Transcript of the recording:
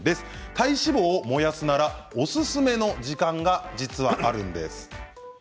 体脂肪を燃やすならおすすめの時間が実はあるんです。